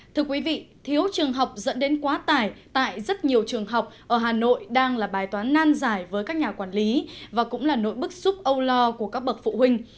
thưa quý vị thiếu trường học dẫn đến quá tải tại rất nhiều trường học ở hà nội đang là bài toán nan giải với các nhà quản lý và cũng là nỗi bức xúc âu lo của các bậc phụ huynh